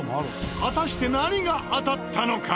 果たして何が当たったのか！？